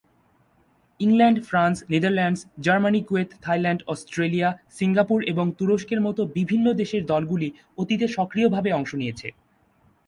England, France, Netherlands, Germany, Kuwait, Thailand, Australia, Singapore এবং তুরস্কের মতো বিভিন্ন দেশের দলগুলি অতীতে সক্রিয়ভাবে অংশ নিয়েছে।